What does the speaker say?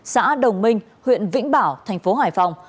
xã đồng minh huyện vĩnh bảo tp hải phòng